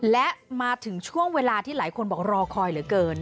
และมาถึงช่วงเวลาที่หลายคนบอกรอคอยเหลือเกิน